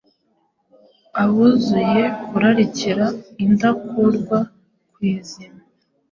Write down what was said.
abuzuye kurarikira, indakurwa ku izima,